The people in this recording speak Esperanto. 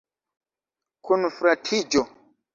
Kunfratiĝo.